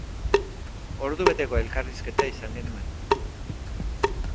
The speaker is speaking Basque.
Ordu beteko elkarrizketa izan genuen.